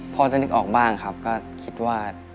พอจะนึกออกบ้างครับก็คิดว่า